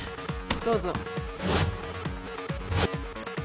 どうぞ。